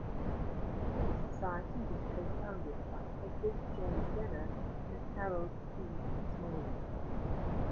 The society was co-founded by Edward J. Gerner and Harold E. Smalley.